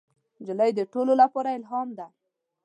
نجلۍ د ټولو لپاره الهام ده.